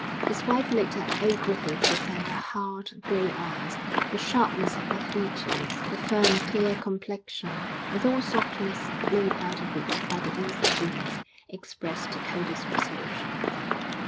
His wife looked at old Griffith with her hard, grey eyes; the sharpness of her features, the firm, clear complexion, with all softness blown out of it by the east winds, expressed the coldest resolution.